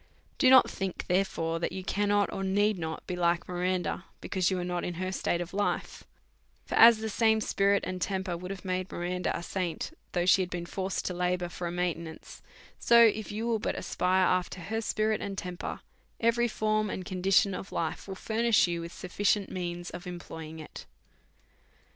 Do not think, therefore, that you cannot or need not be like Miranda, because you are not in her state of life ; for as the same spirit and temper would have made Miranda a saint, though she had been forced to labour for a maintenance, so if you will but aspire af ter her spirit and temper, every form and condition of life will furnish you with sufficient means of em ploying it.